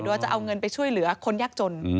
แล้วจะเอาเงินไปช่วยเหลือคนยักษ์จน